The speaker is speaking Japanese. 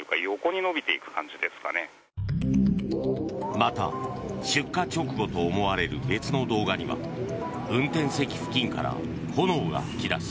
また、出火直後と思われる別の動画には運転席付近から炎が噴き出し